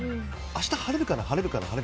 明日晴れるかな、晴れるかな。